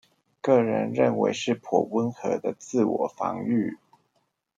個人認為是頗溫和的自我防禦